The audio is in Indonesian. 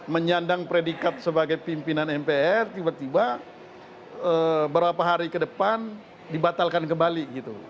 menyandang predikat sebagai pimpinan mpr tiba tiba beberapa hari ke depan dibatalkan kembali gitu